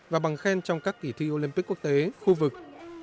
và bằng khen trong các kỳ thi olympic quốc tế khu vực